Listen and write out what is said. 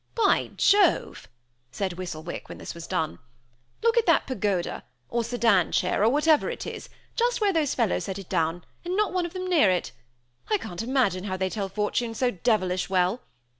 "By Jove!" said Whistlewick, when this was done; "look at that pagoda, or sedan chair, or whatever it is, just where those fellows set it down, and not one of them near it! I can't imagine how they tell fortunes so devilish well.